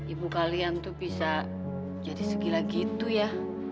ibu kalian tuh bisa jadi segila gitu ya